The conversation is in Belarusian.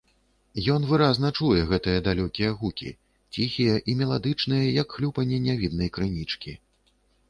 Ён выразна чуе гэтыя далёкія гукі, ціхія і меладычныя, як хлюпанне нявіднай крынічкі.